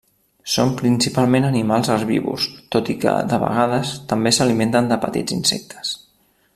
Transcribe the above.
Són principalment animals herbívors, tot i que, de vegades, també s'alimenten de petits insectes.